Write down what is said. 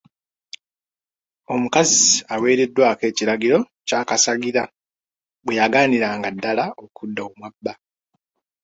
Omukazi aweereddwako ekiragiro ky'akasagira bwe yagaaniranga ddala okudda omwa bba.